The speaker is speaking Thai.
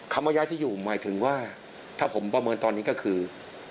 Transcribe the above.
คำว่าย้ายที่อยู่หมายถึงว่าถ้าผมประเมินตอนนี้ก็คือ